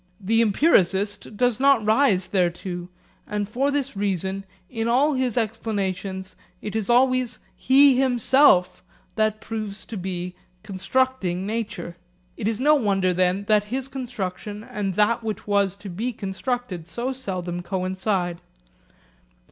The empiricist does not rise thereto, and for this reason in all his explanations it is always he himself that proves to be constructing nature. It is no wonder, then, that his construction and that which was to be constructed so seldom coincide.